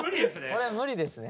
これは無理ですね。